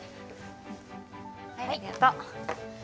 はいありがとう。